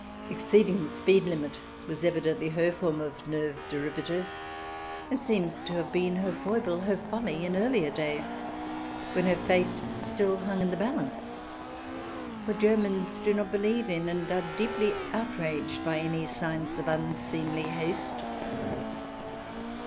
Exceeding the speed limit was evidently her form of nerve derivative, and seems to have been her foible, her folly, in earlier days when her fate still hung in the balance; for Germans do not believe in, and are deeply outraged by, any signs of unseemly haste.